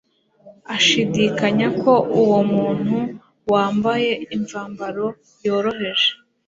Ashidikanya ko uwo muntu wambaye imvambaro yoroheje,